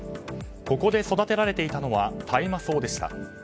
ここで育てられていたのは大麻草でした。